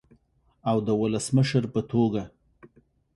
او د ولسمشر په توګه